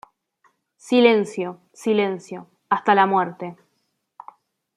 Silencio, silencio, hasta la muerte.